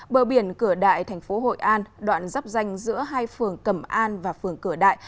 bờ biển cửa đại thành phố hội an đoạn dắp danh giữa hai phường cẩm an và phường cửa đại